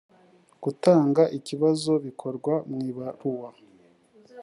gutanga ikibazo bikorwa mu ibaruwa